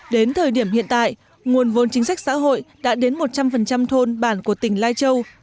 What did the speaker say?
đến thời điểm hiện tại nguồn vốn chính sách xã hội đã đến một trăm linh thôn bản của tỉnh lai châu